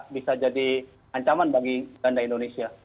bisa jadi ancaman bagi ganda indonesia